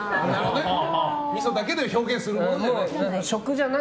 みそだけで表現するものじゃない。